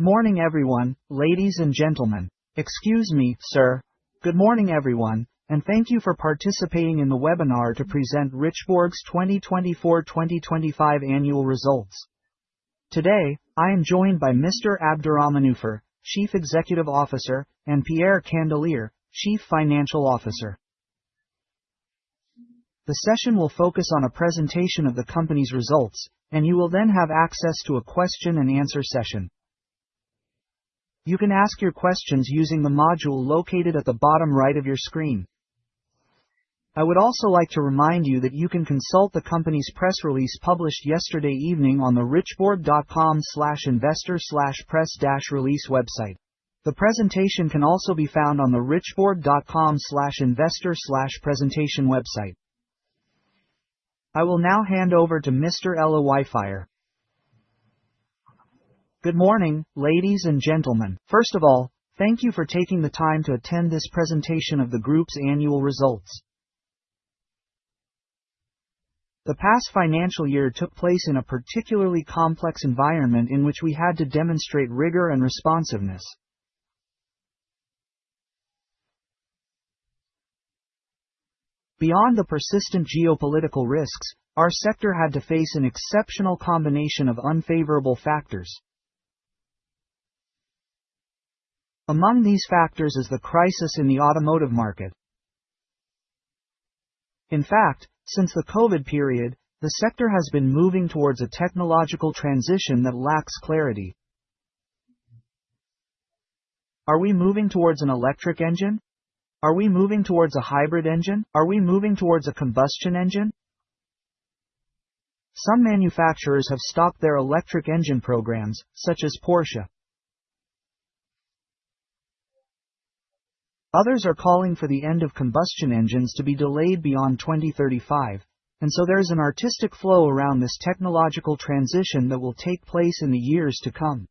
Morning, everyone. Ladies and gentlemen, excuse me, sir, good morning, everyone, and thank you for participating in the webinar to present Derichebourg's 2024-2025 Annual Results. Today, I am joined by Mr. Abderrahmane El Aoufir, Chief Executive Officer, and Pierre Candelier, Chief Financial Officer. The session will focus on a presentation of the company's results, and you will then have access to a question-and-answer session. You can ask your questions using the module located at the bottom right of your screen. I would also like to remind you that you can consult the company's press release published yesterday evening on the derichebourg.com/investor/press-release website. The presentation can also be found on the derichebourg.com/investor/presentation website. I will now hand over to Mr. Abderrahmane El Aoufir. Good morning, ladies and gentlemen. First of all, thank you for taking the time to attend this presentation of the Group's annual results. The past financial year took place in a particularly complex environment in which we had to demonstrate rigor and responsiveness. Beyond the persistent geopolitical risks, our sector had to face an exceptional combination of unfavorable factors. Among these factors is the crisis in the automotive market. In fact, since the COVID period, the sector has been moving towards a technological transition that lacks clarity. Are we moving towards an electric engine? Are we moving towards a hybrid engine? Are we moving towards a combustion engine? Some manufacturers have stopped their electric engine programs, such as Porsche. Others are calling for the end of combustion engines to be delayed beyond 2035, and so there is an erratic flow around this technological transition that will take place in the years to come.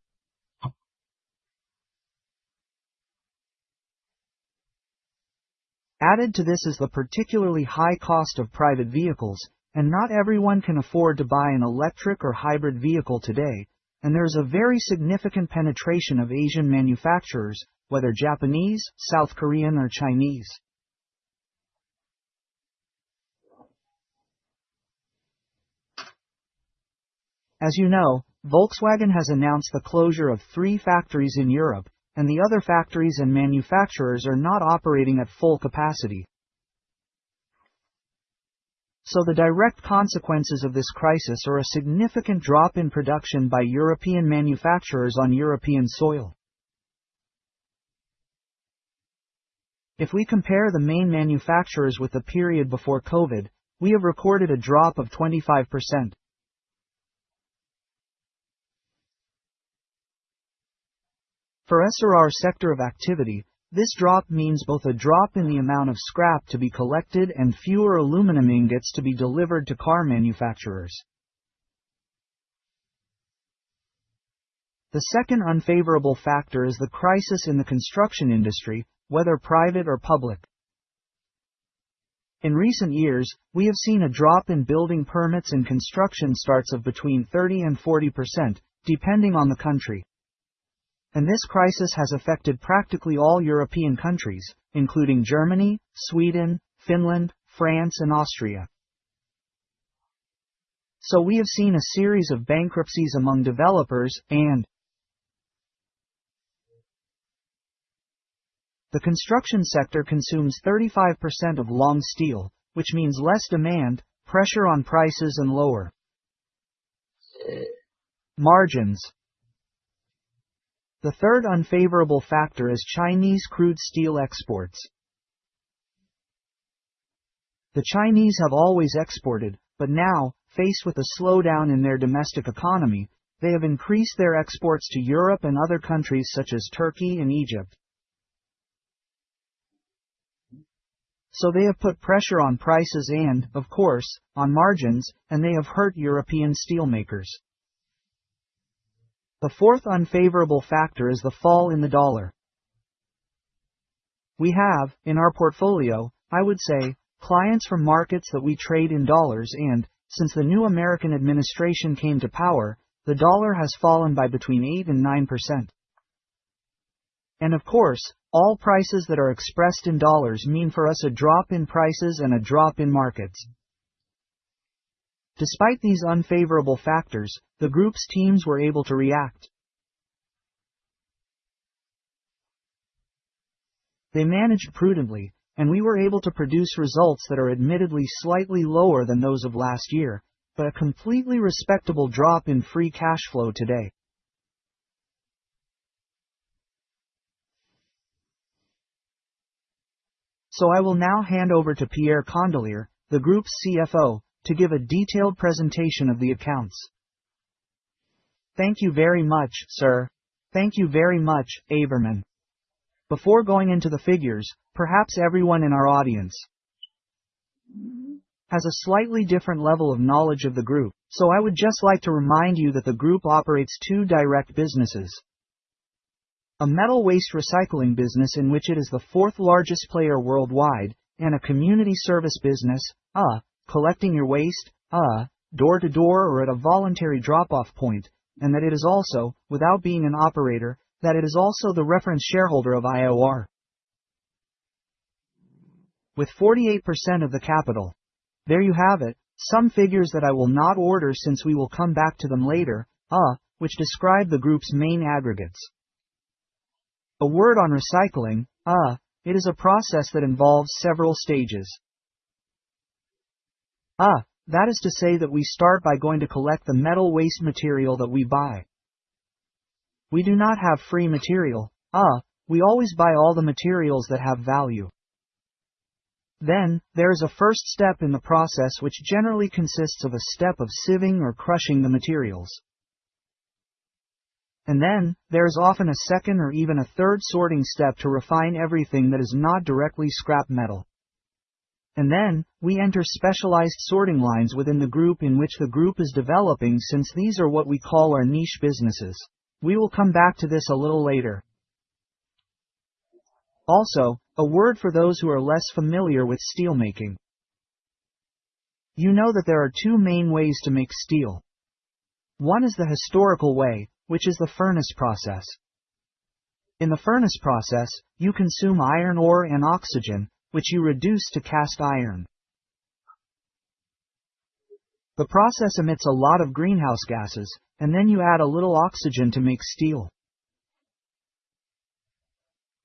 Added to this is the particularly high cost of private vehicles, and not everyone can afford to buy an electric or hybrid vehicle today, and there is a very significant penetration of Asian manufacturers, whether Japanese, South Korean, or Chinese. As you know, Volkswagen has announced the closure of three factories in Europe, and the other factories and manufacturers are not operating at full capacity. So the direct consequences of this crisis are a significant drop in production by European manufacturers on European soil. If we compare the main manufacturers with the period before COVID, we have recorded a drop of 25%. For our sector of activity, this drop means both a drop in the amount of scrap to be collected and fewer aluminum ingots to be delivered to car manufacturers. The second unfavorable factor is the crisis in the construction industry, whether private or public. In recent years, we have seen a drop in building permits and construction starts of between 30% and 40%, depending on the country, and this crisis has affected practically all European countries, including Germany, Sweden, Finland, France, and Austria, so we have seen a series of bankruptcies among developers and the construction sector consumes 35% of long steel, which means less demand, pressure on prices, and lower margins. The third unfavorable factor is Chinese crude steel exports. The Chinese have always exported, but now, faced with a slowdown in their domestic economy, they have increased their exports to Europe and other countries such as Turkey and Egypt, so they have put pressure on prices and, of course, on margins, and they have hurt European steelmakers. The fourth unfavorable factor is the fall in the dollar. We have, in our portfolio, I would say, clients from markets that we trade in dollars and, since the new American administration came to power, the dollar has fallen by between 8% and 9%, and of course, all prices that are expressed in dollars mean for us a drop in prices and a drop in markets. Despite these unfavorable factors, the Group's teams were able to react. They managed prudently, and we were able to produce results that are admittedly slightly lower than those of last year, but a completely respectable drop in free cash flow today, so I will now hand over to Pierre Candelier, the Group's CFO, to give a detailed presentation of the accounts. Thank you very much, sir. Thank you very much, Abderrahmane. Before going into the figures, perhaps everyone in our audience has a slightly different level of knowledge of the Group. So I would just like to remind you that the Group operates two direct businesses: a metal waste recycling business in which it is the fourth-largest player worldwide, and a community service business, collecting your waste, door-to-door or at a voluntary drop-off point, and that it is also, without being an operator, that it is also the reference shareholder of Elior with 48% of the capital. There you have it, some figures that I will not order since we will come back to them later, which describe the Group's main aggregates. A word on recycling, it is a process that involves several stages. That is to say that we start by going to collect the metal waste material that we buy. We do not have free material, we always buy all the materials that have value. Then, there is a first step in the process which generally consists of a step of sieving or crushing the materials. And then, there is often a second or even a third sorting step to refine everything that is not directly scrap metal. And then, we enter specialized sorting lines within the Group in which the Group is developing since these are what we call our niche businesses. We will come back to this a little later. Also, a word for those who are less familiar with steelmaking. You know that there are two main ways to make steel. One is the historical way, which is the furnace process. In the furnace process, you consume iron ore and oxygen, which you reduce to cast iron. The process emits a lot of greenhouse gases, and then you add a little oxygen to make steel.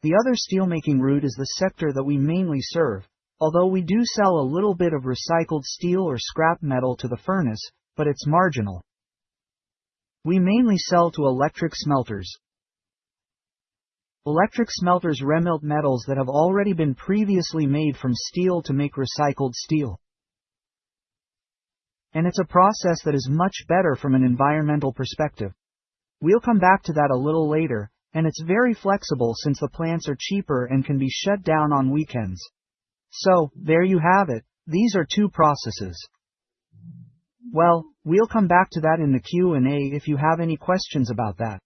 The other steelmaking route is the sector that we mainly serve, although we do sell a little bit of recycled steel or scrap metal to the furnace, but it's marginal. We mainly sell to electric smelters. Electric smelters remelt metals that have already been previously made from steel to make recycled steel, and it's a process that is much better from an environmental perspective. We'll come back to that a little later, and it's very flexible since the plants are cheaper and can be shut down on weekends. There you have it, these are two processes. We'll come back to that in the Q&A if you have any questions about that.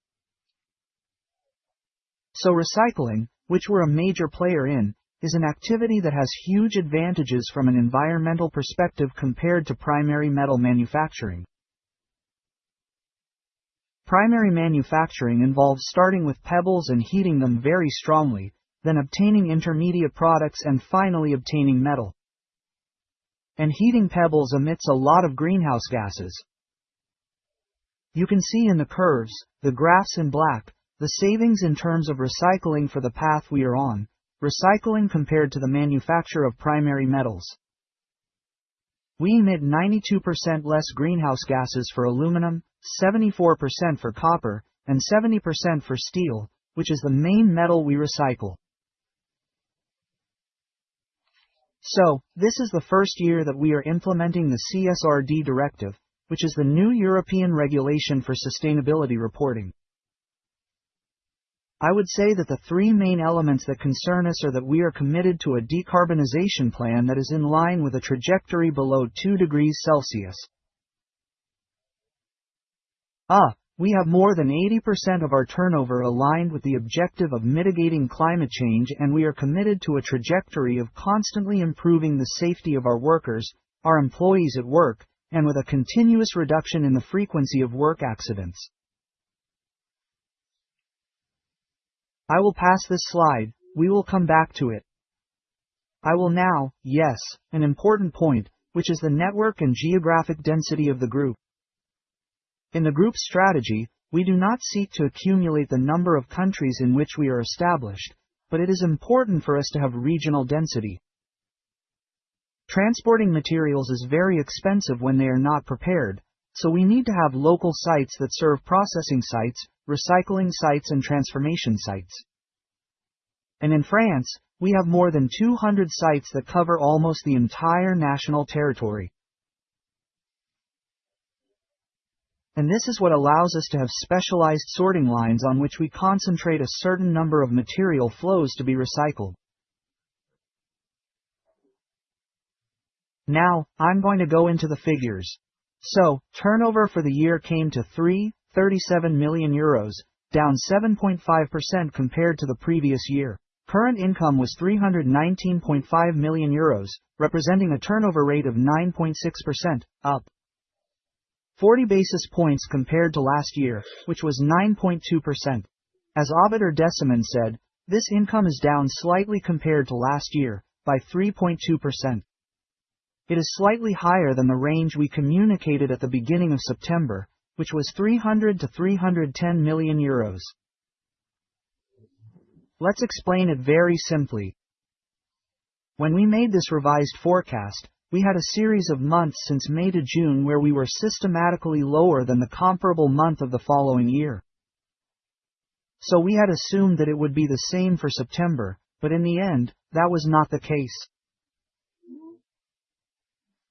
Recycling, which we're a major player in, is an activity that has huge advantages from an environmental perspective compared to primary metal manufacturing. Primary manufacturing involves starting with pebbles and heating them very strongly, then obtaining intermediate products and finally obtaining metal, and heating pebbles emits a lot of greenhouse gases. You can see in the curves, the graphs in black, the savings in terms of recycling for the path we are on, recycling compared to the manufacture of primary metals. We emit 92% less greenhouse gases for aluminum, 74% for copper, and 70% for steel, which is the main metal we recycle. This is the first year that we are implementing the CSRD directive, which is the new European regulation for sustainability reporting. I would say that the three main elements that concern us are that we are committed to a decarbonization plan that is in line with a trajectory below two degrees Celsius. We have more than 80% of our turnover aligned with the objective of mitigating climate change, and we are committed to a trajectory of constantly improving the safety of our workers, our employees at work, and with a continuous reduction in the frequency of work accidents. I will pass this slide; we will come back to it. I will now, yes, an important point, which is the network and geographic density of the Group. In the Group's strategy, we do not seek to accumulate the number of countries in which we are established, but it is important for us to have regional density. Transporting materials is very expensive when they are not prepared, so we need to have local sites that serve processing sites, recycling sites, and transformation sites. In France, we have more than 200 sites that cover almost the entire national territory. This is what allows us to have specialized sorting lines on which we concentrate a certain number of material flows to be recycled. Now, I'm going to go into the figures. So, turnover for the year came to 3.37 billion euros, down 7.5% compared to the previous year. Current income was 319.5 million euros, representing a turnover rate of 9.6%, up 40 basis points compared to last year, which was 9.2%. As Abderrahmane El Aoufir said, this income is down slightly compared to last year, by 3.2%. It is slightly higher than the range we communicated at the beginning of September, which was 300 million to 310 million euros. Let's explain it very simply. When we made this revised forecast, we had a series of months since May to June where we were systematically lower than the comparable month of the following year. So we had assumed that it would be the same for September, but in the end, that was not the case.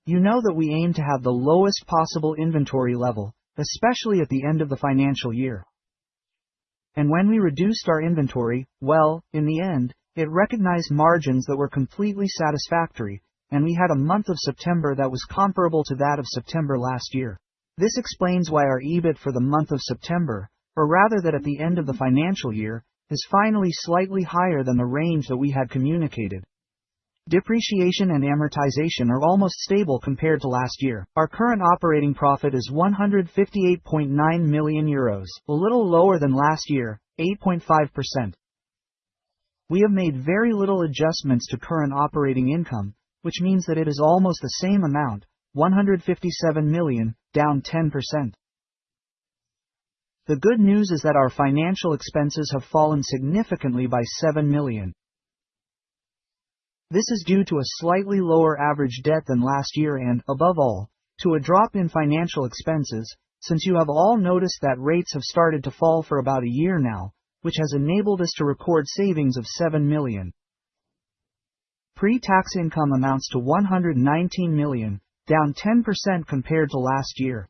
You know that we aim to have the lowest possible inventory level, especially at the end of the financial year. And when we reduced our inventory, well, in the end, it recognized margins that were completely satisfactory, and we had a month of September that was comparable to that of September last year. This explains why our EBIT for the month of September, or rather that at the end of the financial year, is finally slightly higher than the range that we had communicated. Depreciation and amortization are almost stable compared to last year. Our current operating profit is 158.9 million euros, a little lower than last year, 8.5%. We have made very little adjustments to current operating income, which means that it is almost the same amount, 157 million, down 10%. The good news is that our financial expenses have fallen significantly by 7 million. This is due to a slightly lower average debt than last year and, above all, to a drop in financial expenses, since you have all noticed that rates have started to fall for about a year now, which has enabled us to record savings of 7 million. Pre-tax income amounts to 119 million, down 10% compared to last year.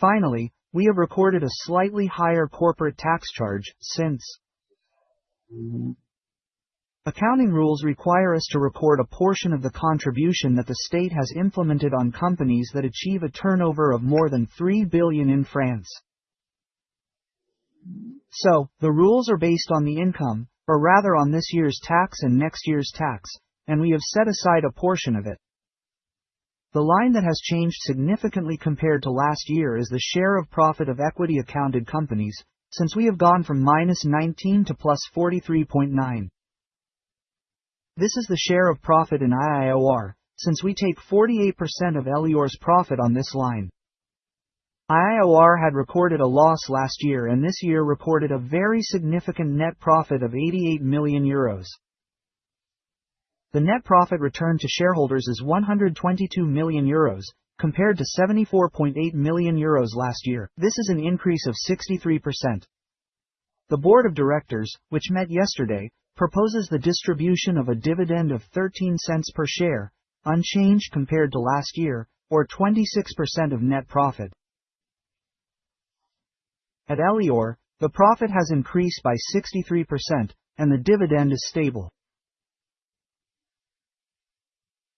Finally, we have recorded a slightly higher corporate tax charge since accounting rules require us to report a portion of the contribution that the state has implemented on companies that achieve a turnover of more than three billion in France. The rules are based on the income, or rather on this year's tax and next year's tax, and we have set aside a portion of it. The line that has changed significantly compared to last year is the share of profit of equity-accounted companies, since we have gone from minus 19 to plus 43.9. This is the share of profit in Elior, since we take 48% of Elior's profit on this line. Elior had recorded a loss last year and this year reported a very significant net profit of 88 million euros. The net profit returned to shareholders is 122 million euros, compared to 74.8 million euros last year. This is an increase of 63%. The board of directors, which met yesterday, proposes the distribution of a dividend of 0.13 per share, unchanged compared to last year, or 26% of net profit. At Elior, the profit has increased by 63%, and the dividend is stable.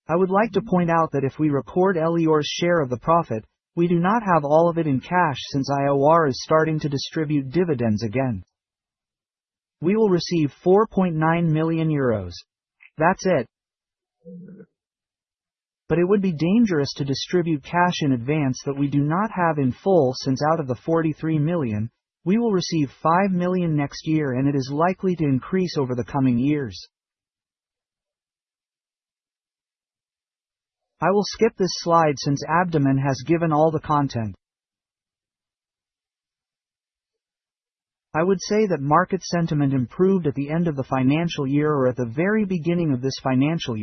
I would like to point out that if we record Elior's share of the profit, we do not have all of it in cash since Elior is starting to distribute dividends again. We will receive 4.9 million euros. That's it. But it would be dangerous to distribute cash in advance that we do not have in full since out of the 43 million, we will receive 5 million next year and it is likely to increase over the coming years. I will skip this slide since Abderrahmane has given all the content. I would say that market sentiment improved at the end of the financial year or at the very beginning of this financial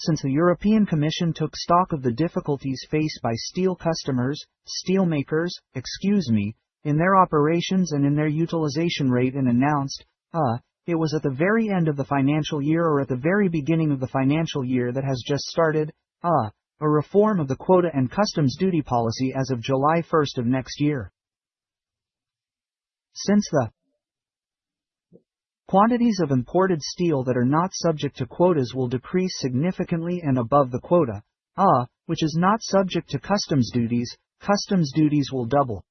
year, since the European Commission took stock of the difficulties faced by steel customers, steelmakers, excuse me, in their operations and in their utilization rate and announced, it was at the very end of the financial year or at the very beginning of the financial year that has just started, a reform of the quota and customs duty policy as of July 1 of next year. Since the quantities of imported steel that are not subject to quotas will decrease significantly and above the quota, which is not subject to customs duties, customs duties will double.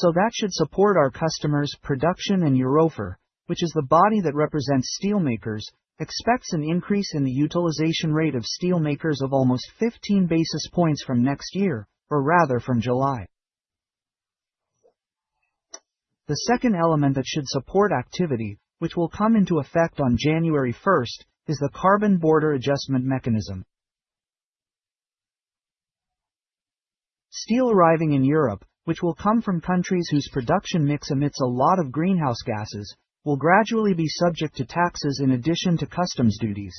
That should support our customers' production and EUROFER, which is the body that represents steelmakers. EUROFER expects an increase in the utilization rate of steelmakers of almost 15 basis points from next year, or rather from July. The second element that should support activity, which will come into effect on January 1st, is the Carbon Border Adjustment Mechanism. Steel arriving in Europe, which will come from countries whose production mix emits a lot of Greenhouse gases, will gradually be subject to taxes in addition to customs duties.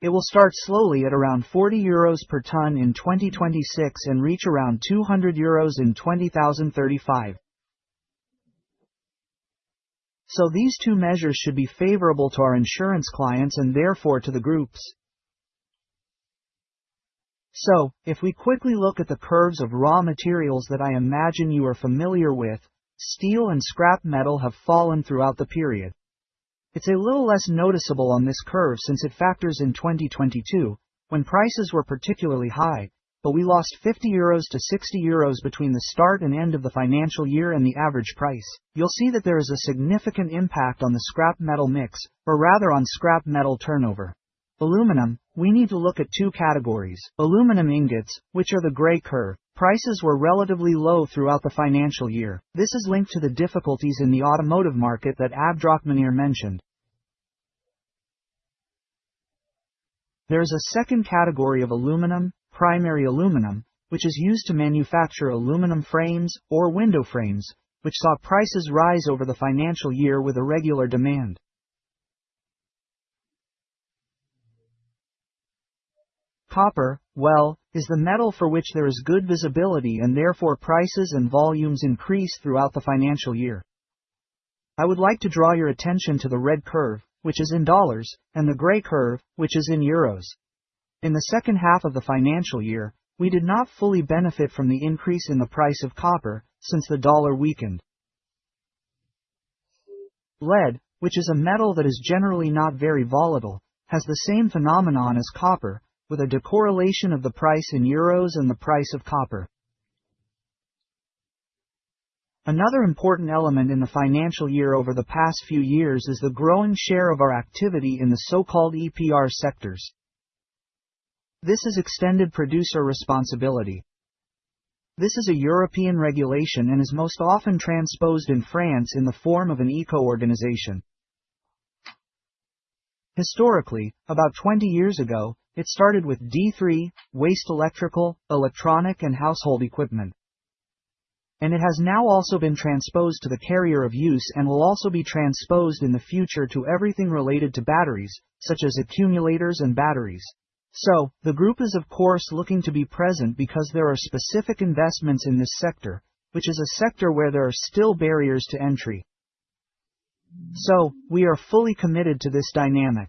It will start slowly at around 40 euros per ton in 2026 and reach around 200 euros per ton in 2035. These two measures should be favorable to our industrial clients and therefore to the Group. If we quickly look at the curves of raw materials that I imagine you are familiar with, steel and scrap metal have fallen throughout the period. It's a little less noticeable on this curve since it factors in 2022, when prices were particularly high, but we lost 50-60 euros between the start and end of the financial year and the average price. You'll see that there is a significant impact on the scrap metal mix, or rather on scrap metal turnover. Aluminum, we need to look at two categories. Aluminum ingots, which are the gray curve. Prices were relatively low throughout the financial year. This is linked to the difficulties in the automotive market that Abderrahmane mentioned. There is a second category of aluminum, primary aluminum, which is used to manufacture aluminum frames or window frames, which saw prices rise over the financial year with irregular demand. Copper, well, is the metal for which there is good visibility and therefore prices and volumes increase throughout the financial year. I would like to draw your attention to the red curve, which is in dollars, and the gray curve, which is in euros. In the second half of the financial year, we did not fully benefit from the increase in the price of copper, since the dollar weakened. Lead, which is a metal that is generally not very volatile, has the same phenomenon as copper, with a decorrelation of the price in euros and the price of copper. Another important element in the financial year over the past few years is the growing share of our activity in the so-called EPR sectors. This is extended producer responsibility. This is a European regulation and is most often transposed in France in the form of an eco-organization. Historically, about 20 years ago, it started with D3, waste electrical, electronic and household equipment. It has now also been transposed to the end of use and will also be transposed in the future to everything related to batteries, such as accumulators and batteries. The Group is of course looking to be present because there are specific investments in this sector, which is a sector where there are still barriers to entry. We are fully committed to this dynamic.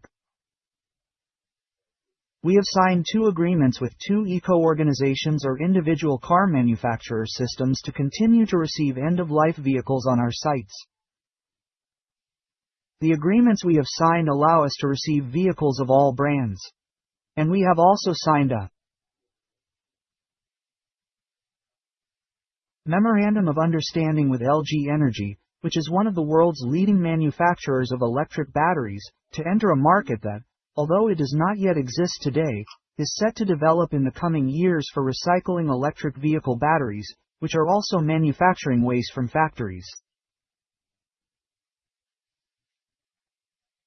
We have signed two agreements with two eco-organizations or individual car manufacturer systems to continue to receive end-of-life vehicles on our sites. The agreements we have signed allow us to receive vehicles of all brands. We have also signed a memorandum of understanding with LG Energy, which is one of the world's leading manufacturers of electric batteries, to enter a market that, although it does not yet exist today, is set to develop in the coming years for recycling electric vehicle batteries, which are also manufacturing waste from factories.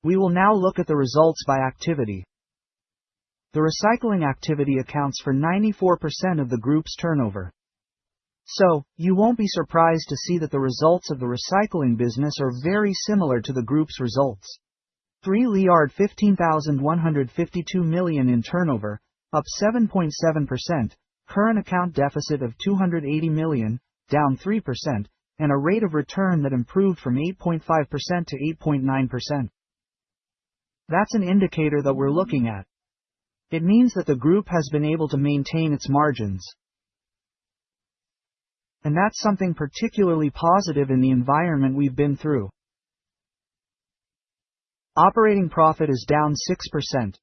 We will now look at the results by activity. The recycling activity accounts for 94% of the Group's turnover. You won't be surprised to see that the results of the recycling business are very similar to the Group's results. 3,152 million in turnover, up 7.7%, current account deficit of 280 million, down 3%, and a rate of return that improved from 8.5% to 8.9%. That's an indicator that we're looking at. It means that the Group has been able to maintain its margins. That's something particularly positive in the environment we've been through. Operating profit is down 6%.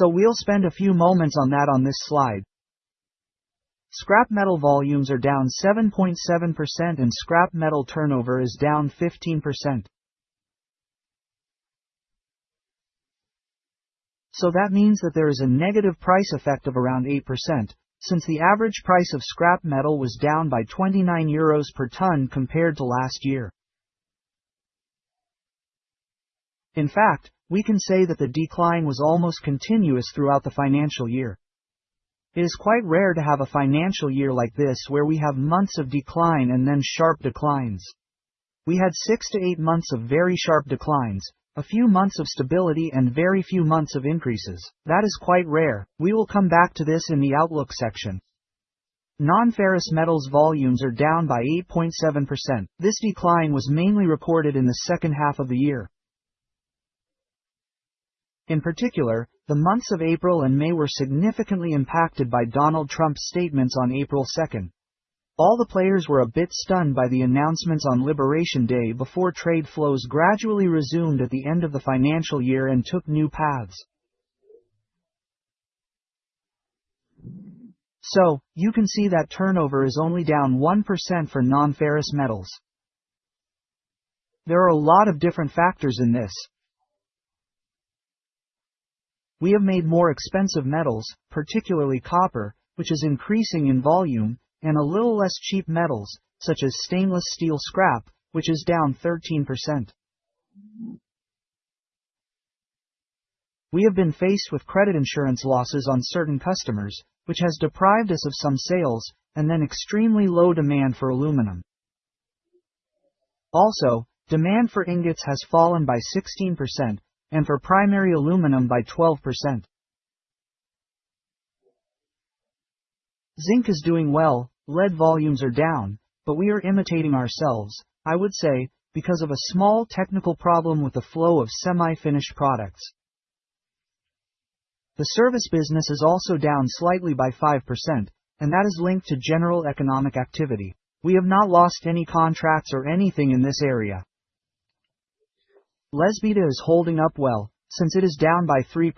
We'll spend a few moments on that on this slide. Scrap metal volumes are down 7.7% and scrap metal turnover is down 15%. That means that there is a negative price effect of around 8%, since the average price of scrap metal was down by 29 euros per ton compared to last year. In fact, we can say that the decline was almost continuous throughout the financial year. It is quite rare to have a financial year like this where we have months of decline and then sharp declines. We had 6-8 months of very sharp declines, a few months of stability, and very few months of increases. That is quite rare. We will come back to this in the outlook section. Non-ferrous metals volumes are down by 8.7%. This decline was mainly reported in the second half of the year. In particular, the months of April and May were significantly impacted by Donald Trump's statements on April 2. All the players were a bit stunned by the announcements on Liberation Day before trade flows gradually resumed at the end of the financial year and took new paths. So, you can see that turnover is only down 1% for non-ferrous metals. There are a lot of different factors in this. We have made more expensive metals, particularly copper, which is increasing in volume, and a little less cheap metals, such as stainless steel scrap, which is down 13%. We have been faced with credit insurance losses on certain customers, which has deprived us of some sales, and then extremely low demand for aluminum. Also, demand for ingots has fallen by 16%, and for primary aluminum by 12%. Zinc is doing well, lead volumes are down, but we are limiting ourselves, I would say, because of a small technical problem with the flow of semi-finished products. The service business is also down slightly by 5%, and that is linked to general economic activity. We have not lost any contracts or anything in this area. EBITDA is holding up well, since it is down by 3%.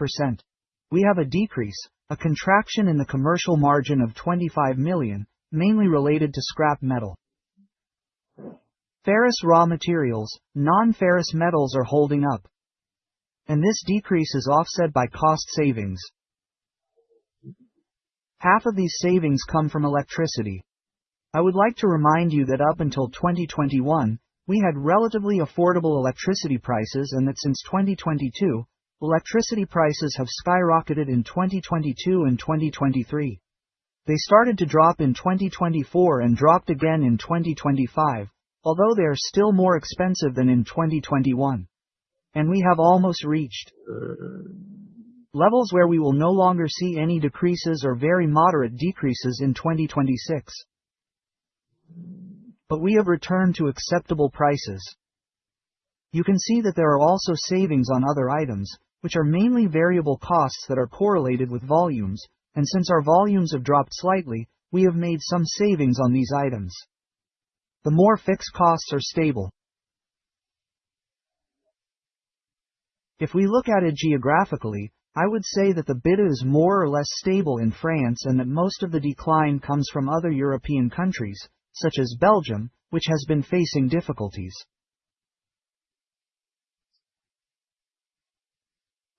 We have a decrease, a contraction in the commercial margin of 25 million, mainly related to scrap metal. Ferrous raw materials, non-ferrous metals are holding up. And this decrease is offset by cost savings. Half of these savings come from electricity. I would like to remind you that up until 2021, we had relatively affordable electricity prices and that since 2022, electricity prices have skyrocketed in 2022 and 2023. They started to drop in 2024 and dropped again in 2025, although they are still more expensive than in 2021, and we have almost reached levels where we will no longer see any decreases or very moderate decreases in 2026, but we have returned to acceptable prices. You can see that there are also savings on other items, which are mainly variable costs that are correlated with volumes, and since our volumes have dropped slightly, we have made some savings on these items. The more fixed costs are stable. If we look at it geographically, I would say that the bid is more or less stable in France and that most of the decline comes from other European countries, such as Belgium, which has been facing difficulties.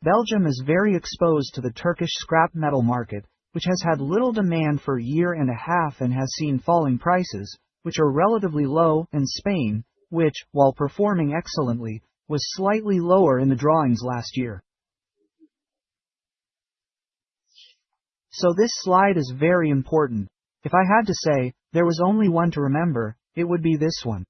Belgium is very exposed to the Turkish scrap metal market, which has had little demand for a year and a half and has seen falling prices, which are relatively low, and Spain, which, while performing excellently, was slightly lower in the drawings last year. So this slide is very important. If I had to say, there was only one to remember, it would be this one.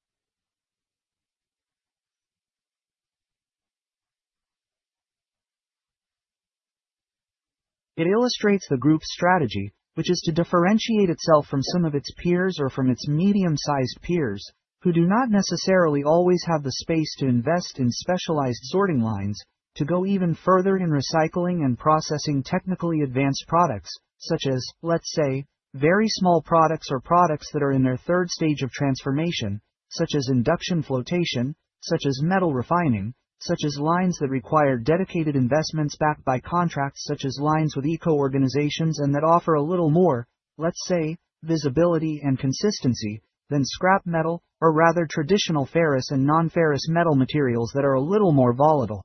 It illustrates the Group's strategy, which is to differentiate itself from some of its peers or from its medium-sized peers, who do not necessarily always have the space to invest in specialized sorting lines, to go even further in recycling and processing technically advanced products, such as, let's say, very small products or products that are in their third stage of transformation, such as induction flotation, such as metal refining, such as lines that require dedicated investments backed by contracts such as lines with eco-organizations and that offer a little more, let's say, visibility and consistency than scrap metal or rather traditional ferrous and non-ferrous metal materials that are a little more volatile.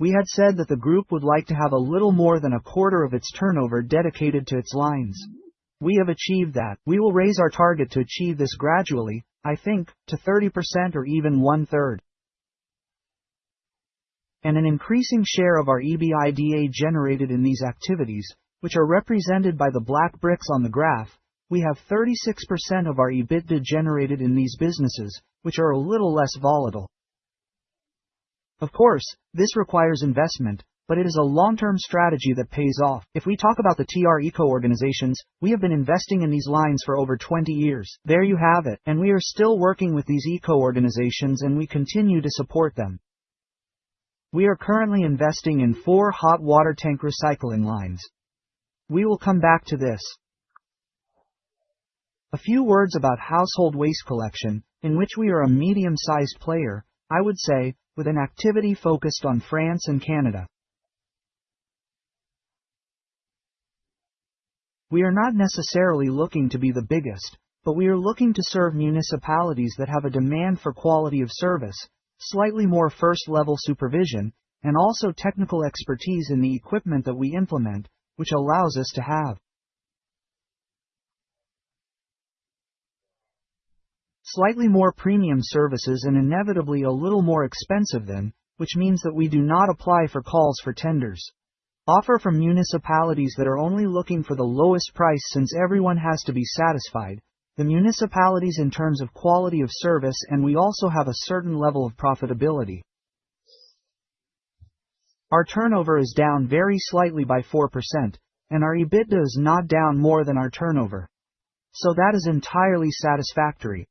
We had said that the Group would like to have a little more than a quarter of its turnover dedicated to its lines. We have achieved that. We will raise our target to achieve this gradually, I think, to 30% or even one-third. And an increasing share of our EBITDA generated in these activities, which are represented by the black bricks on the graph, we have 36% of our EBITDA generated in these businesses, which are a little less volatile. Of course, this requires investment, but it is a long-term strategy that pays off. If we talk about the Derichebourg eco-organizations, we have been investing in these lines for over 20 years. There you have it. And we are still working with these eco-organizations and we continue to support them. We are currently investing in four hot water tank recycling lines. We will come back to this. A few words about household waste collection, in which we are a medium-sized player, I would say, with an activity focused on France and Canada. We are not necessarily looking to be the biggest, but we are looking to serve municipalities that have a demand for quality of service, slightly more first-level supervision, and also technical expertise in the equipment that we implement, which allows us to have slightly more premium services and inevitably a little more expensive than, which means that we do not apply for calls for tenders offered from municipalities that are only looking for the lowest price since everyone has to be satisfied, the municipalities in terms of quality of service and we also have a certain level of profitability. Our turnover is down very slightly by 4%, and our EBITDA is not down more than our turnover. So that is entirely satisfactory.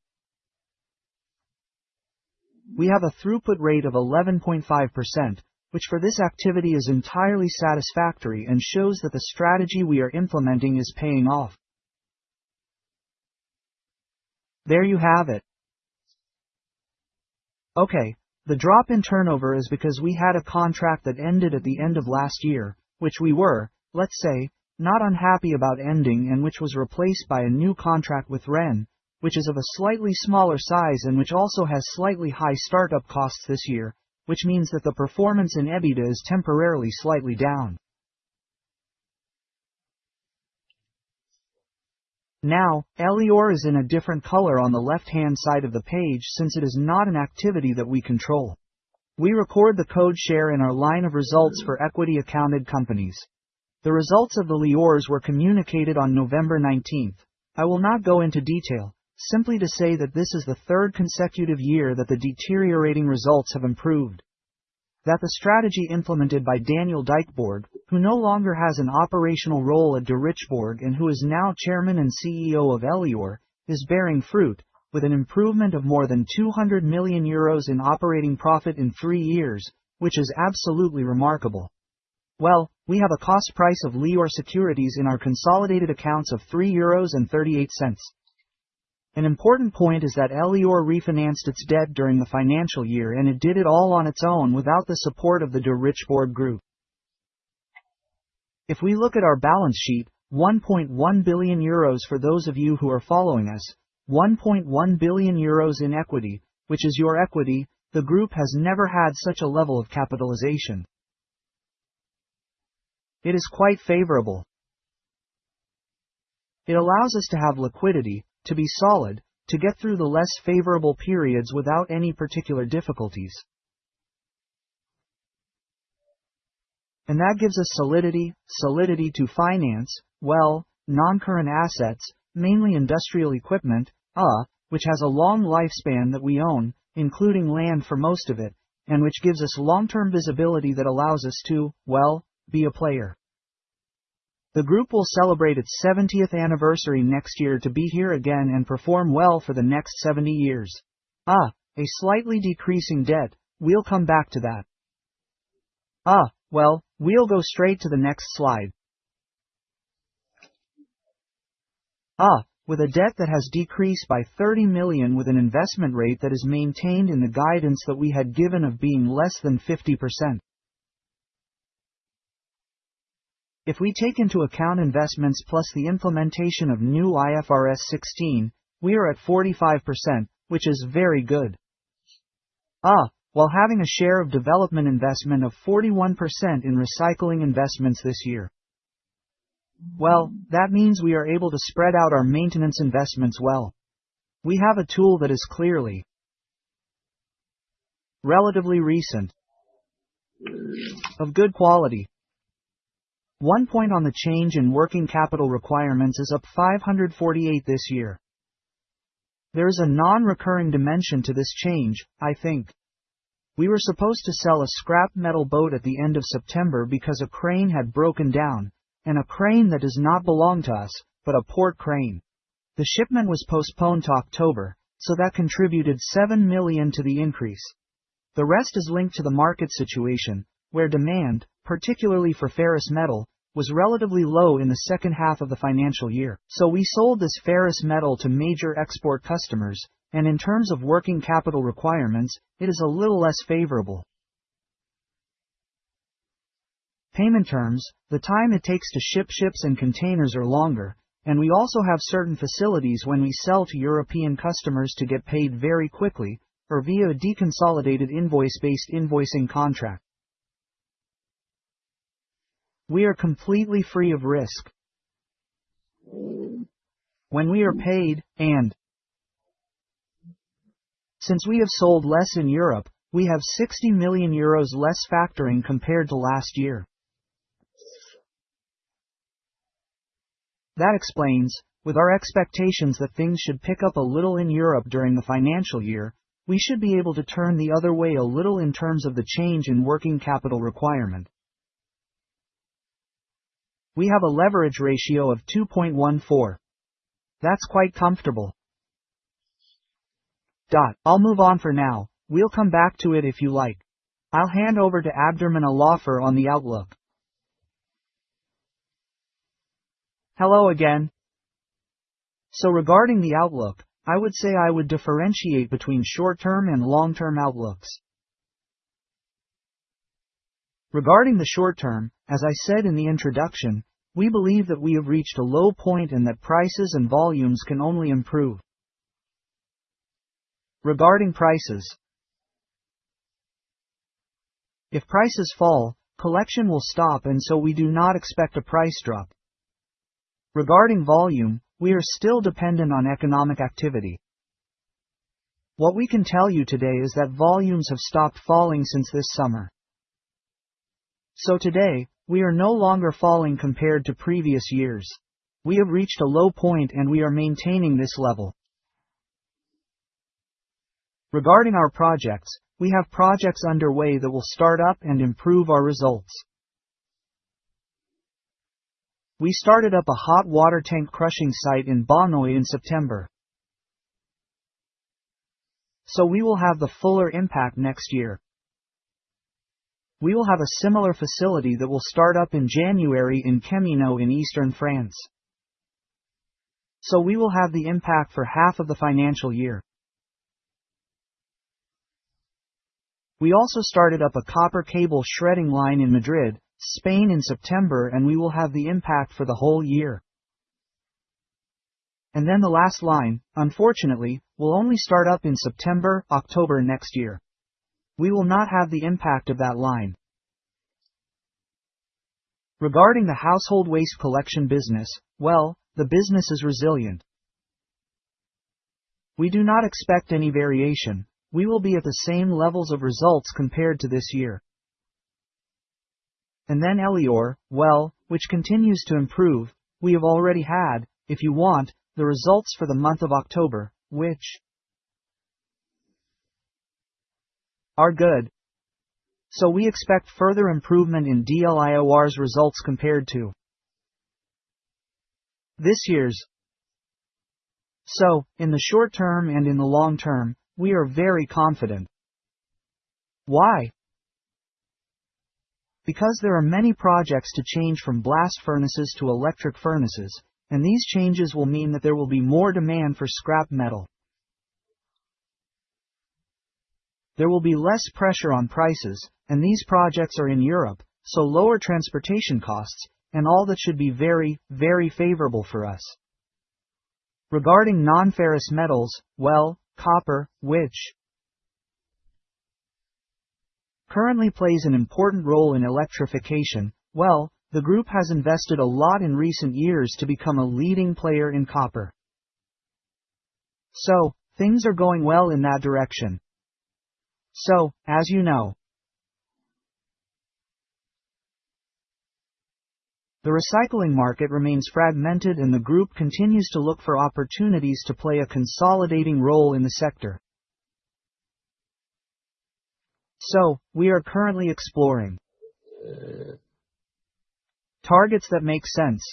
We have a throughput rate of 11.5%, which for this activity is entirely satisfactory and shows that the strategy we are implementing is paying off. There you have it. Okay, the drop in turnover is because we had a contract that ended at the end of last year, which we were, let's say, not unhappy about ending and which was replaced by a new contract with Rennes, which is of a slightly smaller size and which also has slightly high startup costs this year, which means that the performance in EBITDA is temporarily slightly down. Now, Elior is in a different color on the left-hand side of the page since it is not an activity that we control. We record the equity share in our line of results for equity-accounted companies. The results of Elior were communicated on November 19. I will not go into detail, simply to say that this is the third consecutive year that the deteriorating results have improved. That the strategy implemented by Daniel Derichebourg, who no longer has an operational role at Derichebourg and who is now chairman and CEO of Elior, is bearing fruit, with an improvement of more than 200 million euros in operating profit in three years, which is absolutely remarkable. We have a cost price of Elior securities in our consolidated accounts of 3.38 euros. An important point is that Elior refinanced its debt during the financial year and it did it all on its own without the support of the Derichebourg Group. If we look at our balance sheet, 1.1 billion euros for those of you who are following us, 1.1 billion euros in equity, which is your equity, the Group has never had such a level of capitalization. It is quite favorable. It allows us to have liquidity, to be solid, to get through the less favorable periods without any particular difficulties. And that gives us solidity, solidity to finance, well, non-current assets, mainly industrial equipment, which has a long lifespan that we own, including land for most of it, and which gives us long-term visibility that allows us to, well, be a player. The Group will celebrate its 70th anniversary next year to be here again and perform well for the next 70 years. A slightly decreasing debt, we'll come back to that. Well, we'll go straight to the next slide with a debt that has decreased by 30 million with an investment rate that is maintained in the guidance that we had given of being less than 50%. If we take into account investments plus the implementation of new IFRS 16, we are at 45%, which is very good. While having a share of development investment of 41% in recycling investments this year. Well, that means we are able to spread out our maintenance investments well. We have a tool that is clearly relatively recent, of good quality. One point on the change in working capital requirements is up 548 million this year. There is a non-recurring dimension to this change, I think. We were supposed to sell a scrap metal boat at the end of September because a crane had broken down, and a crane that does not belong to us, but a port crane. The shipment was postponed to October, so that contributed 7 million to the increase. The rest is linked to the market situation, where demand, particularly for ferrous metal, was relatively low in the second half of the financial year. So we sold this ferrous metal to major export customers, and in terms of working capital requirements, it is a little less favorable. Payment terms, the time it takes to ship ships and containers are longer, and we also have certain facilities when we sell to European customers to get paid very quickly, or via a deconsolidated invoice-based invoicing contract. We are completely free of risk when we are paid, and since we have sold less in Europe, we have 60 million euros less factoring compared to last year. That explains, with our expectations that things should pick up a little in Europe during the financial year, we should be able to turn the other way a little in terms of the change in working capital requirement. We have a leverage ratio of 2.14. That's quite comfortable. I'll move on for now, we'll come back to it if you like. I'll hand over to Abderrahmane El Aoufir on the outlook. Hello again. So regarding the outlook, I would say I would differentiate between short-term and long-term outlooks. Regarding the short-term, as I said in the introduction, we believe that we have reached a low point and that prices and volumes can only improve. Regarding prices, if prices fall, collection will stop and so we do not expect a price drop. Regarding volume, we are still dependent on economic activity. What we can tell you today is that volumes have stopped falling since this summer. So today, we are no longer falling compared to previous years. We have reached a low point and we are maintaining this level. Regarding our projects, we have projects underway that will start up and improve our results. We started up a hot water tank crushing site in Bonneuil-sur-Marne in September. So we will have the fuller impact next year. We will have a similar facility that will start up in January in Caminó in eastern France. So we will have the impact for half of the financial year. We also started up a copper cable shredding line in Madrid, Spain in September and we will have the impact for the whole year. And then the last line, unfortunately, will only start up in September, October next year. We will not have the impact of that line. Regarding the household waste collection business, well, the business is resilient. We do not expect any variation. We will be at the same levels of results compared to this year. And then Elior, well, which continues to improve, we have already had, if you want, the results for the month of October, which are good. We expect further improvement in Elior's results compared to this year's. In the short term and in the long term, we are very confident. Why? Because there are many projects to change from blast furnaces to electric furnaces, and these changes will mean that there will be more demand for scrap metal. There will be less pressure on prices, and these projects are in Europe, so lower transportation costs, and all that should be very, very favorable for us. Regarding non-ferrous metals, well, copper, which currently plays an important role in electrification, well, the Group has invested a lot in recent years to become a leading player in copper. Things are going well in that direction. As you know, the recycling market remains fragmented and the Group continues to look for opportunities to play a consolidating role in the sector. So, we are currently exploring targets that make sense.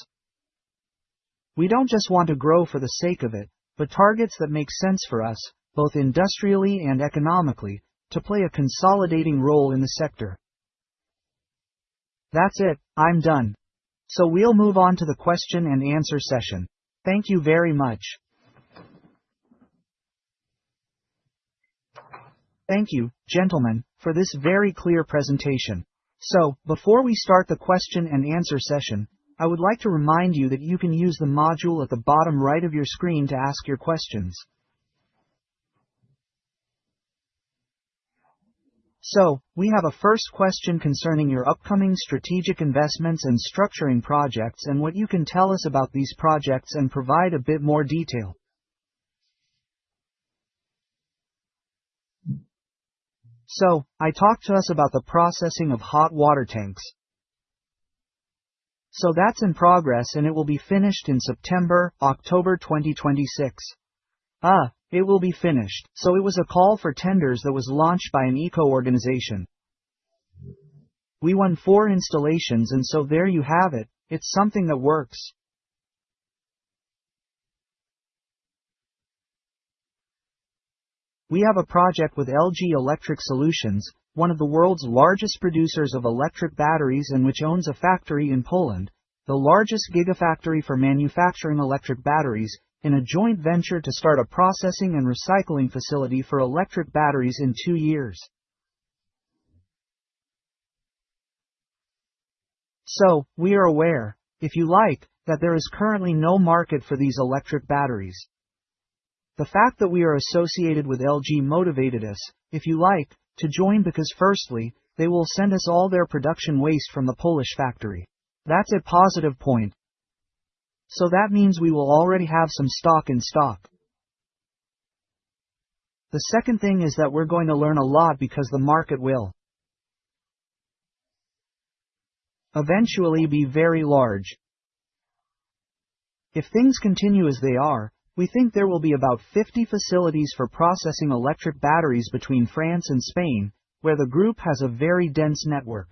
We don't just want to grow for the sake of it, but targets that make sense for us, both industrially and economically, to play a consolidating role in the sector. That's it, I'm done. So we'll move on to the question and answer session. Thank you very much. Thank you, gentlemen, for this very clear presentation. So, before we start the question and answer session, I would like to remind you that you can use the module at the bottom right of your screen to ask your questions. So, we have a first question concerning your upcoming strategic investments and structuring projects and what you can tell us about these projects and provide a bit more detail. So, I talked to us about the processing of hot water tanks. So that's in progress and it will be finished in September, October 2026. It will be finished. So it was a call for tenders that was launched by an eco-organization. We won four installations and so there you have it, it's something that works. We have a project with LG Energy Solution, one of the world's largest producers of electric batteries and which owns a factory in Poland, the largest Gigafactory for manufacturing electric batteries, in a joint venture to start a processing and recycling facility for electric batteries in two years. So, we are aware, if you like, that there is currently no market for these electric batteries. The fact that we are associated with LG motivated us, if you like, to join because firstly, they will send us all their production waste from the Polish factory. That's a positive point. So that means we will already have some stock in stock. The second thing is that we're going to learn a lot because the market will eventually be very large. If things continue as they are, we think there will be about 50 facilities for processing electric batteries between France and Spain, where the Group has a very dense network.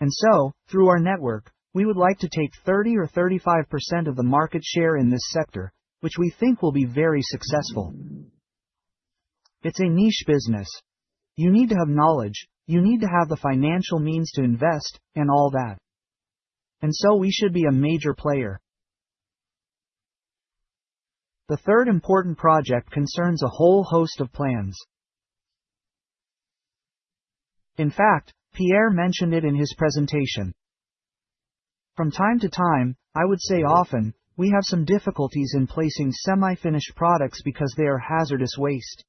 And so, through our network, we would like to take 30% or 35% of the market share in this sector, which we think will be very successful. It's a niche business. You need to have knowledge, you need to have the financial means to invest, and all that. And so we should be a major player. The third important project concerns a whole host of plants. In fact, Pierre mentioned it in his presentation. From time to time, I would say often, we have some difficulties in placing semi-finished products because they are hazardous waste,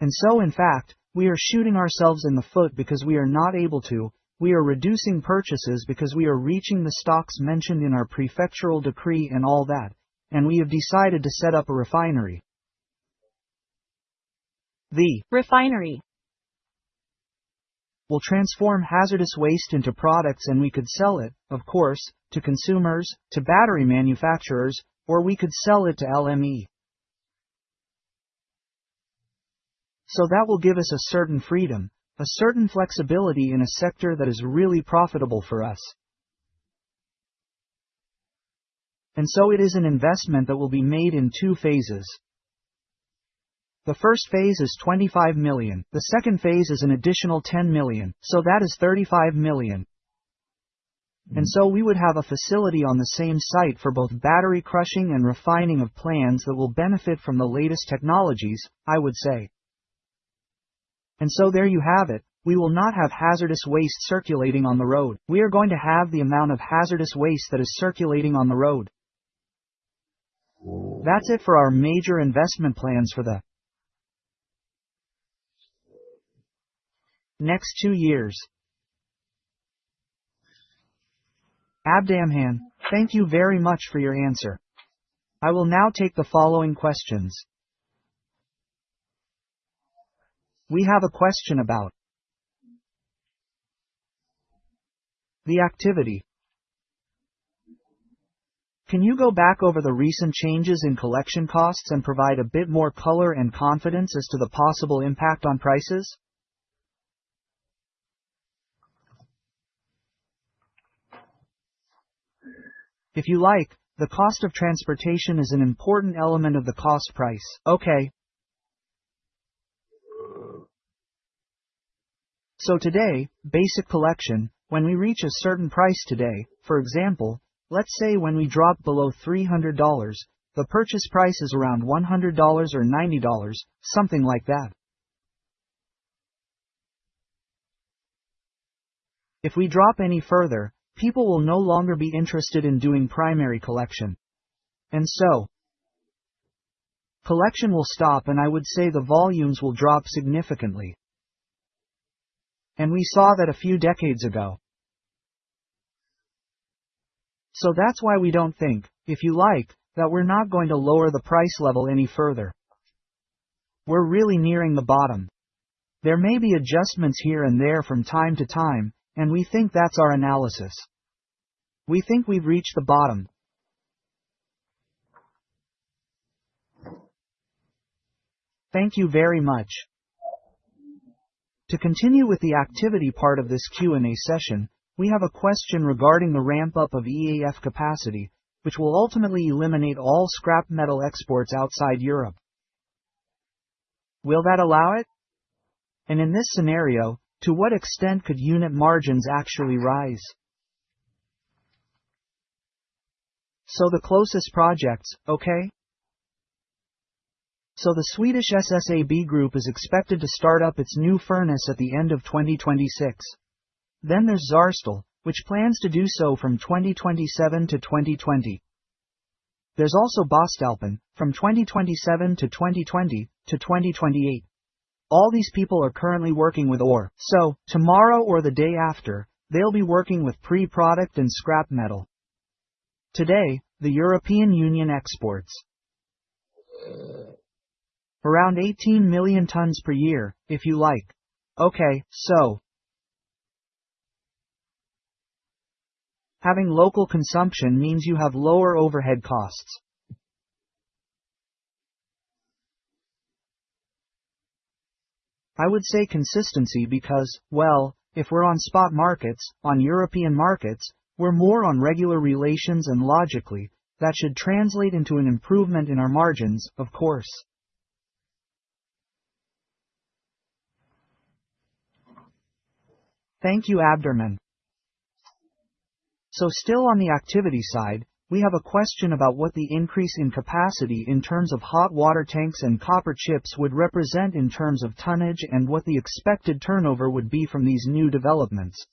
and so in fact, we are shooting ourselves in the foot because we are not able to, we are reducing purchases because we are reaching the stocks mentioned in our prefectural decree and all that, and we have decided to set up a refinery. The refinery will transform hazardous waste into products and we could sell it, of course, to consumers, to battery manufacturers, or we could sell it to LME. So that will give us a certain freedom, a certain flexibility in a sector that is really profitable for us, and so it is an investment that will be made in two phases. The first phase is 25 million. The second phase is an additional 10 million, so that is 35 million. And so we would have a facility on the same site for both battery crushing and refining of plans that will benefit from the latest technologies, I would say. And so there you have it, we will not have hazardous waste circulating on the road. We are going to have the amount of hazardous waste that is circulating on the road. That's it for our major investment plans for the next two years. Abderrahmane, thank you very much for your answer. I will now take the following questions. We have a question about the activity. Can you go back over the recent changes in collection costs and provide a bit more color and confidence as to the possible impact on prices? If you like, the cost of transportation is an important element of the cost price. Okay. So today, basic collection, when we reach a certain price today, for example, let's say when we drop below $300, the purchase price is around $100 or $90, something like that. If we drop any further, people will no longer be interested in doing primary collection. And so collection will stop and I would say the volumes will drop significantly. And we saw that a few decades ago. So that's why we don't think, if you like, that we're not going to lower the price level any further. We're really nearing the bottom. There may be adjustments here and there from time to time, and we think that's our analysis. We think we've reached the bottom. Thank you very much. To continue with the activity part of this Q&A session, we have a question regarding the ramp-up of EAF capacity, which will ultimately eliminate all scrap metal exports outside Europe. Will that allow it? And in this scenario, to what extent could unit margins actually rise? So the closest projects, okay? So the Swedish SSAB Group is expected to start up its new furnace at the end of 2026. Then there's Saarstahl, which plans to do so from 2027 to 2020. There's also Voestalpine, from 2027 to 2020, to 2028. All these people are currently working with, or so, tomorrow or the day after, they'll be working with pre-product and scrap metal. Today, the European Union exports around 18 million tons per year, if you like. Okay, so having local consumption means you have lower overhead costs. I would say consistency because, well, if we're on spot markets, on European markets, we're more on regular relations and logically, that should translate into an improvement in our margins, of course. Thank you, Abderrahmane. So still on the activity side, we have a question about what the increase in capacity in terms of hot water tanks and copper chips would represent in terms of tonnage and what the expected turnover would be from these new developments.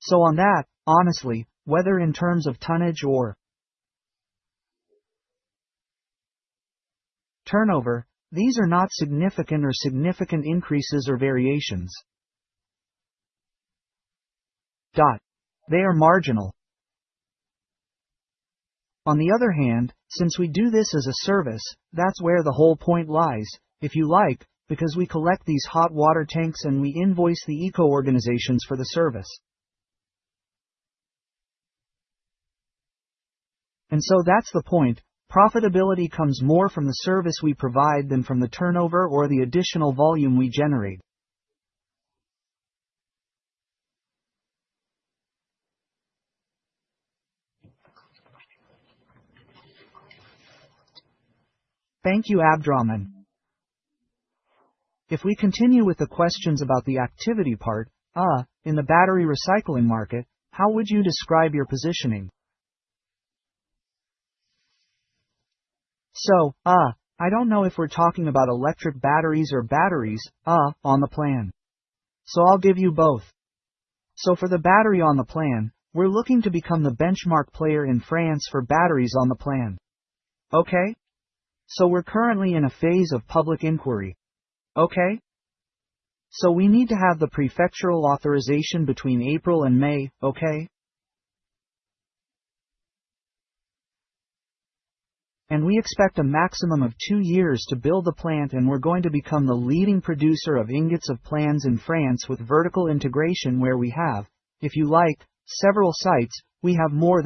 So on that, honestly, whether in terms of tonnage or turnover, these are not significant or significant increases or variations. They are marginal. On the other hand, since we do this as a service, that's where the whole point lies, if you like, because we collect these hot water tanks and we invoice the eco-organizations for the service. And so that's the point, profitability comes more from the service we provide than from the turnover or the additional volume we generate. Thank you, Abderrahmane. If we continue with the questions about the activity part, in the battery recycling market, how would you describe your positioning? I don't know if we're talking about electric batteries or lead batteries. I'll give you both. For the battery au plomb, we're looking to become the benchmark player in France for lead batteries. We're currently in a phase of public inquiry. We need to have the prefectural authorization between April and May. We expect a maximum of two years to build the plant and we're going to become the leading producer of lead ingots in France with vertical integration where we have, if you like, several sites. We have more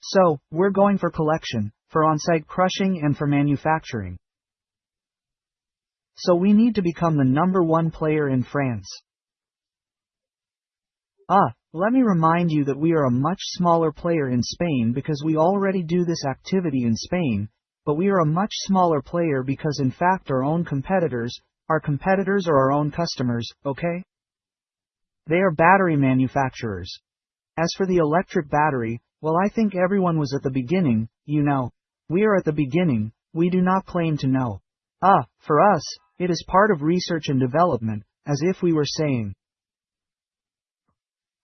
than 200 sites in France. We're going for collection, for on-site crushing and for manufacturing. We need to become the number one player in France. Let me remind you that we are a much smaller player in Spain because we already do this activity in Spain, but we are a much smaller player because in fact our own competitors, our competitors are our own customers, okay? They are battery manufacturers. As for the electric battery, well, I think everyone was at the beginning, you know, we are at the beginning, we do not claim to know. For us, it is part of research and development, as if we were saying,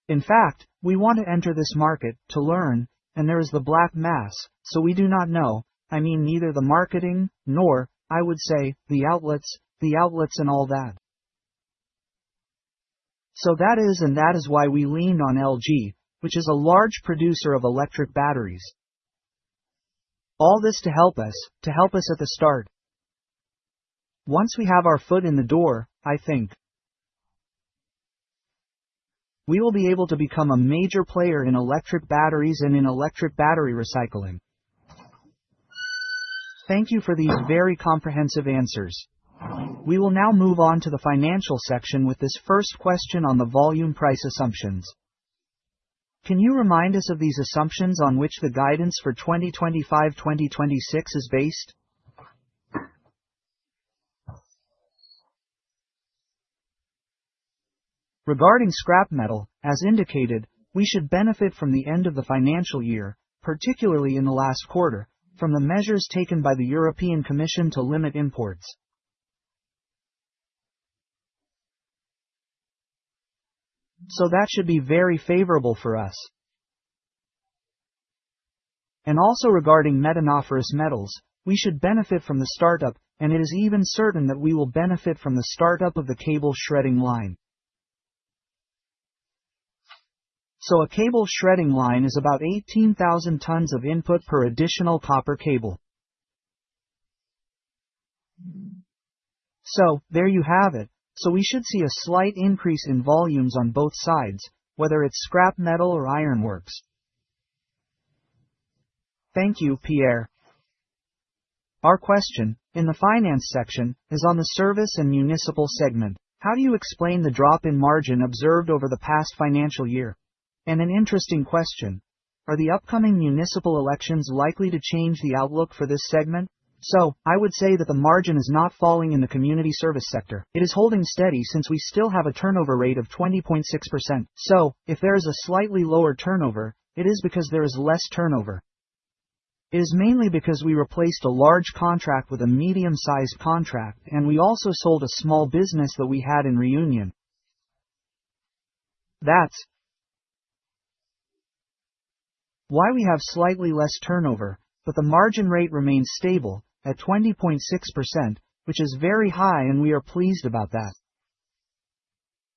in fact, we want to enter this market, to learn, and there is the black mass, so we do not know, I mean neither the marketing, nor I would say, the outlets, the outlets and all that. So that is and that is why we leaned on LG, which is a large producer of electric batteries. All this to help us, to help us at the start. Once we have our foot in the door, I think we will be able to become a major player in electric batteries and in electric battery recycling. Thank you for these very comprehensive answers. We will now move on to the financial section with this first question on the volume price assumptions. Can you remind us of these assumptions on which the guidance for 2025-2026 is based? Regarding scrap metal, as indicated, we should benefit from the end of the financial year, particularly in the last quarter, from the measures taken by the European Commission to limit imports. So that should be very favorable for us. And also regarding non-ferrous metals, we should benefit from the startup, and it is even certain that we will benefit from the startup of the cable shredding line. A cable shredding line is about 18,000 tons of input per additional copper cable. There you have it, so we should see a slight increase in volumes on both sides, whether it's scrap metal or ironworks. Thank you, Pierre. Our question, in the finance section, is on the service and municipal segment. How do you explain the drop in margin observed over the past financial year? An interesting question, are the upcoming municipal elections likely to change the outlook for this segment? I would say that the margin is not falling in the community service sector. It is holding steady since we still have a turnover rate of 20.6%. If there is a slightly lower turnover, it is because there is less turnover. It is mainly because we replaced a large contract with a medium-sized contract and we also sold a small business that we had in Réunion. That's why we have slightly less turnover, but the margin rate remains stable, at 20.6%, which is very high and we are pleased about that.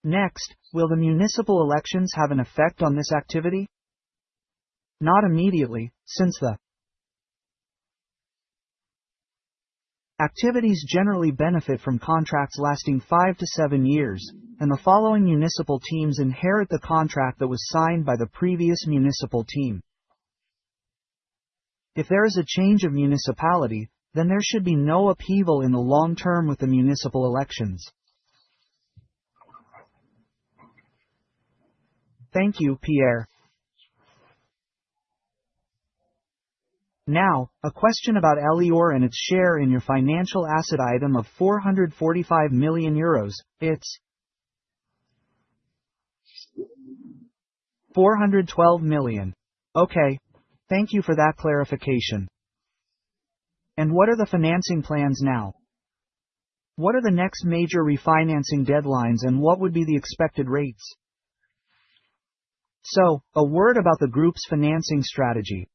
Next, will the municipal elections have an effect on this activity? Not immediately, since the activities generally benefit from contracts lasting 5-7 years, and the following municipal teams inherit the contract that was signed by the previous municipal team. If there is a change of municipality, then there should be no upheaval in the long term with the municipal elections. Thank you, Pierre. Now, a question about Elior and its share in your financial asset item of 445 million euros, it's 412 million EUR. Okay, thank you for that clarification. And what are the financing plans now? What are the next major refinancing deadlines and what would be the expected rates? So, a word about the group's financing strategy.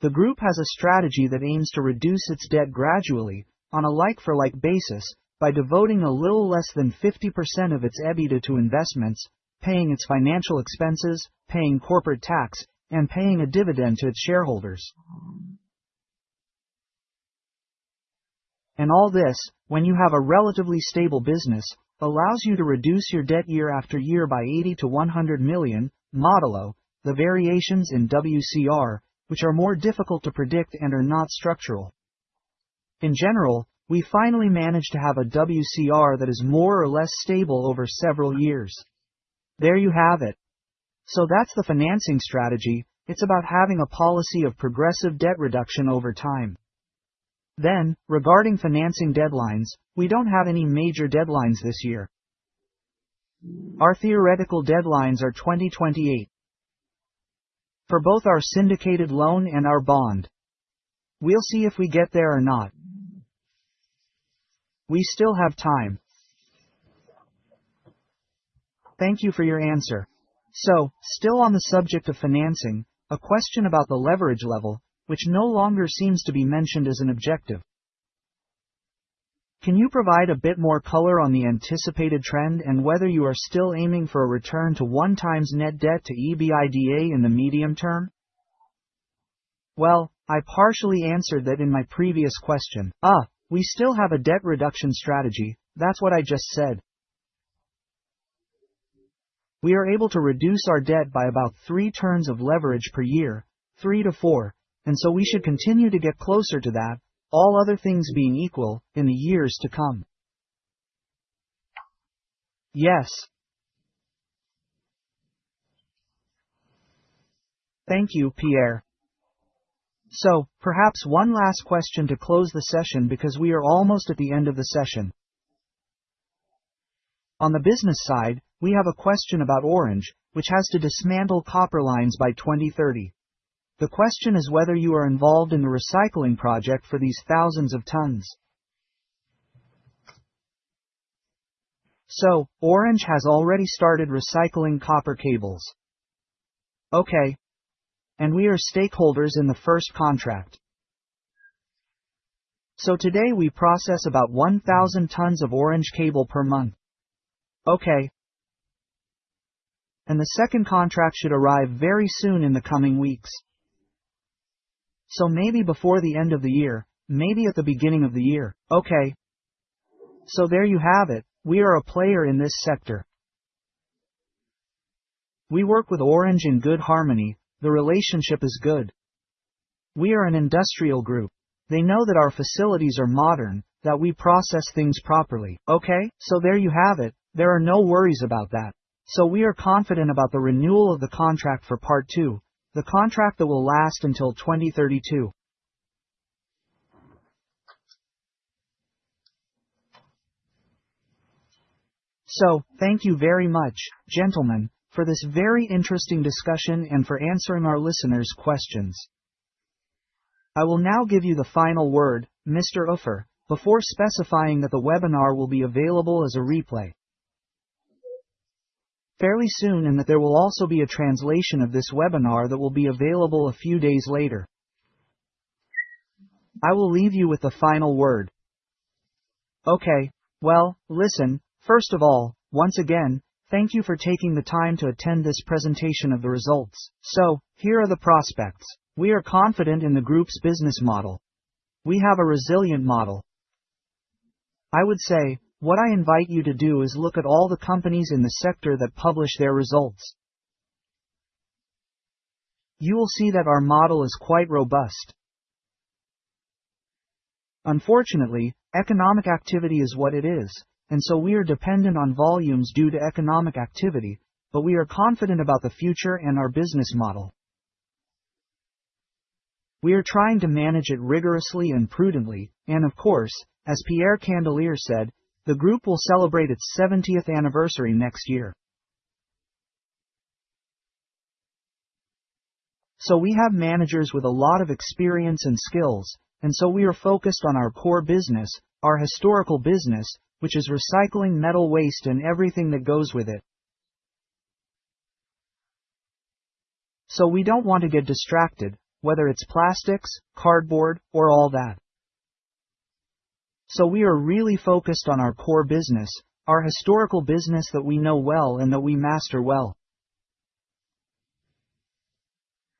The group has a strategy that aims to reduce its debt gradually, on a like-for-like basis, by devoting a little less than 50% of its EBITDA to investments, paying its financial expenses, paying corporate tax, and paying a dividend to its shareholders. And all this, when you have a relatively stable business, allows you to reduce your debt year-after-year by 80 million-100 million, modulo, the variations in WCR, which are more difficult to predict and are not structural. In general, we finally managed to have a WCR that is more or less stable over several years. There you have it. So that's the financing strategy, it's about having a policy of progressive debt reduction over time. Then, regarding financing deadlines, we don't have any major deadlines this year. Our theoretical deadlines are 2028 for both our syndicated loan and our bond. We'll see if we get there or not. We still have time. Thank you for your answer. So, still on the subject of financing, a question about the leverage level, which no longer seems to be mentioned as an objective. Can you provide a bit more color on the anticipated trend and whether you are still aiming for a return to one times net debt to EBITDA in the medium term? Well, I partially answered that in my previous question. We still have a debt reduction strategy, that's what I just said. We are able to reduce our debt by about three turns of leverage per year, three to four, and so we should continue to get closer to that, all other things being equal, in the years to come. Yes. Thank you, Pierre. So, perhaps one last question to close the session because we are almost at the end of the session. On the business side, we have a question about Orange, which has to dismantle copper lines by 2030. The question is whether you are involved in the recycling project for these thousands of tons. So, Orange has already started recycling copper cables. Okay. And we are stakeholders in the first contract. So today we process about 1,000 tons of Orange cable per month. Okay. And the second contract should arrive very soon in the coming weeks. So maybe before the end of the year, maybe at the beginning of the year. Okay. So there you have it, we are a player in this sector. We work with Orange in good harmony, the relationship is good. We are an industrial group, they know that our facilities are modern, that we process things properly. Okay. So there you have it, there are no worries about that. So we are confident about the renewal of the contract for part two, the contract that will last until 2032. So, thank you very much, gentlemen, for this very interesting discussion and for answering our listeners' questions. I will now give you the final word, Mr. El Aoufir, before specifying that the webinar will be available as a replay fairly soon and that there will also be a translation of this webinar that will be available a few days later. I will leave you with the final word. Okay, well, listen, first of all, once again, thank you for taking the time to attend this presentation of the results. So, here are the prospects. We are confident in the group's business model. We have a resilient model. I would say, what I invite you to do is look at all the companies in the sector that publish their results. You will see that our model is quite robust. Unfortunately, economic activity is what it is, and so we are dependent on volumes due to economic activity, but we are confident about the future and our business model. We are trying to manage it rigorously and prudently, and of course, as Pierre Candelier said, the group will celebrate its 70th anniversary next year. We have managers with a lot of experience and skills, and so we are focused on our core business, our historical business, which is recycling metal waste and everything that goes with it. So we don't want to get distracted, whether it's plastics, cardboard, or all that. So we are really focused on our core business, our historical business that we know well and that we master well.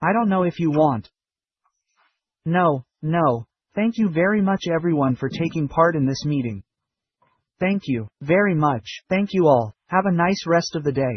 I don't know if you want. No, no. Thank you very much everyone for taking part in this meeting. Thank you very much. Thank you all. Have a nice rest of the day.